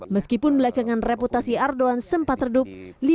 meskipun belakangan reputasi ardoan sempat redup